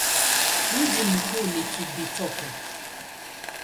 Mji mkuu ni Cibitoke.